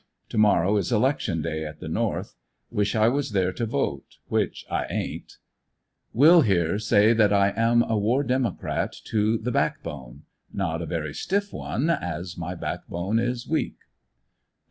To morrow is 112 ANDEB80NYILLE DIARY. election day at the North; wish I was there to vote — which I ain't. Will here say that I am a War Democrat to the backbone. Not a very stiff one, as my backbone is weak. Nov.